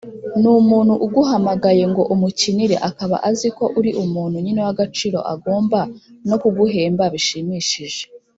n'umuntu uguhamagaye ngo umukinire akaba aziko uri umuntu nyine w'agaciro agomba no kuguhemba bishimishije